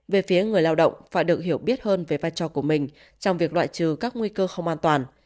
về phía người lao động phải được hiểu biết hơn về vai trò của mình trong việc loại trừ các nguy cơ không an toàn